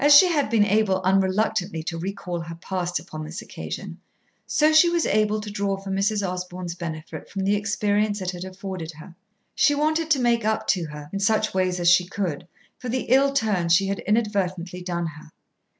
As she had been able unreluctantly to recall her past upon this occasion, so she was able to draw for Mrs. Osborn's benefit from the experience it had afforded her. She wanted to make up to her, in such ways as she could, for the ill turn she had inadvertently done her.